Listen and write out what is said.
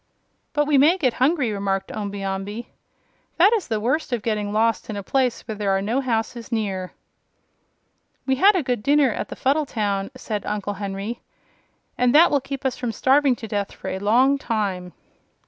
"But we may get hungry," remarked Omby Amby. "That is the worst of getting lost in a place where there are no houses near." "We had a good dinner at the Fuddle town," said Uncle Henry, "and that will keep us from starving to death for a long time."